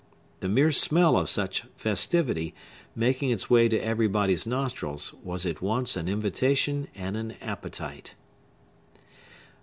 The mere smell of such festivity, making its way to everybody's nostrils, was at once an invitation and an appetite.